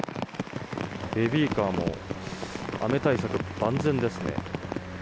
ベビーカーも雨対策万全ですね。